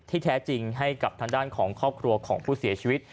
แท้จริงให้กับทางด้านของครอบครัวของผู้เสียชีวิต